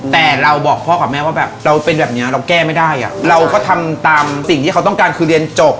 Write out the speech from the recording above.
แต่เราบอกพ่อกับแม่ว่าแบบเราเป็นแบบเนี้ยเราแก้ไม่ได้อ่ะเราก็ทำตามสิ่งที่เขาต้องการคือเรียนจบ